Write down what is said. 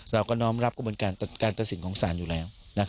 เราก็น้อมรับกระบวนการการตัดสินของศาลอยู่แล้ว